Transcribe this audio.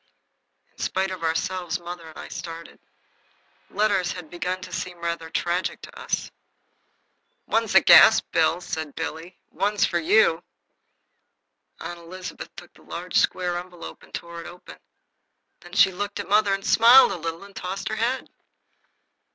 In spite of ourselves mother and I started. Letters have begun to seem rather tragic to us. "One's the gas bill," said Billy, "and one's for you." Aunt Elizabeth took the large, square envelope and tore it open. Then she looked at mother and smiled a little and tossed her head.